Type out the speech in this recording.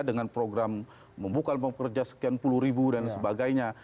dengan program membuka kerja sekian puluh ribu dan sebagainya